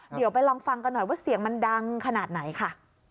เดี๋ยวไปลองฟังกันหน่อยว่าเสียงมันดังขนาดไหนค่ะ